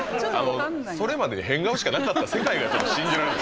それまで変顔しかなかった世界が信じられない。